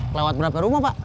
kelewat berapa rumah pak